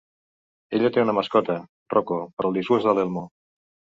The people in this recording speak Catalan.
Ella té una mascota, Rocco, per al disgust de l"Elmo.